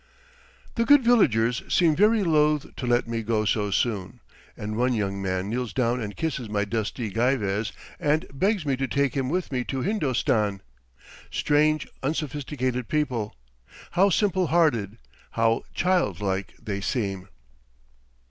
The good villagers seem very loath to let me, go so soon, and one young man kneels down and kisses my dusty geivehs and begs me to take him with me to Hindostan strange, unsophisticated people; how simple hearted, how childlike they seem!